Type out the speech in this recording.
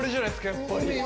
やっぱり。